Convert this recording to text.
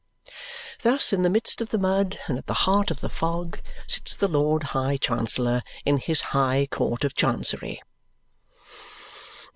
Thus, in the midst of the mud and at the heart of the fog, sits the Lord High Chancellor in his High Court of Chancery.